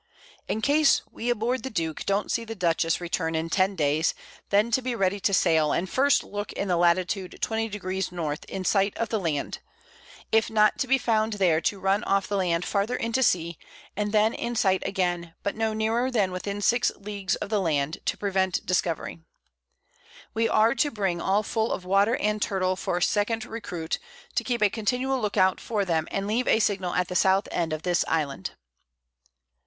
In case we aboard the Duke don't see the Dutchess return in 10 Days, then to be ready to sail, and first look in the Latitude 20°. N. _in sight of the Land: If not to be found there, to run off the Land farther into Sea, and then in sight again, but no nearer than within 6 Leagues of the Land, to prevent Discovery. We are to bring all full of Water and Turtle for a second Recruit, to keep a continual Look out for them, and leave a Signal at the South End of this Island.